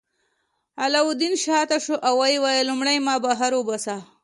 علاوالدین شاته شو او ویې ویل لومړی ما بهر وباسه.